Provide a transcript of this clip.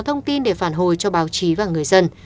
thông tin để phản hồi cho báo chí và người dân